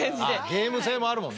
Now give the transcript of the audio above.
ゲーム性もあるもんね。